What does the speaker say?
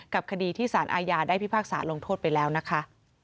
คดีที่สารอาญาได้พิพากษาลงโทษไปแล้วนะคะ